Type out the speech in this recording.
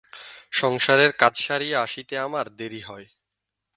সংসারের কাজ সারিয়া আসিতে আমার দেরি হয়।